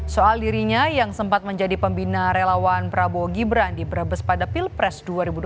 soal dirinya yang sempat menjadi pembina relawan prabowo gibran di brebes pada pilpres dua ribu dua puluh